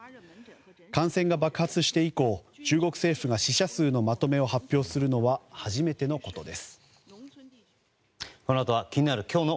感染が爆発して以降中国政府が死者数のまとめを発表するのは初めてのことです。